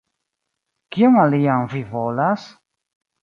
Kion alian vi volas?